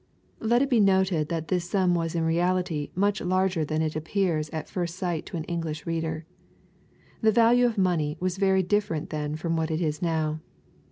1 Let it be noted that this sum was in reality much larger than it appears at first sight to an English reader. The value of money was very different then from what it is now.